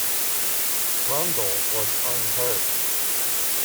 Brundle was unhurt.